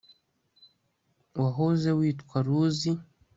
wahoze witwa luzi